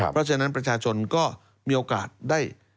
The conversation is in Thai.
เพราะฉะนั้นประชาชนก็มีโอกาสได้